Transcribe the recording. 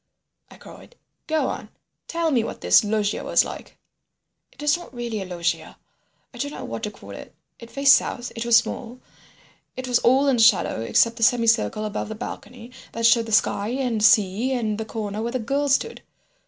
I cried. "Go on. Tell me what this loggia was like!" "It was not really a loggia—I don't know what to call it. It faced south. It was small. It was all in shadow except the semicircle above the balcony that showed the sky and sea and the corner where the girl stood.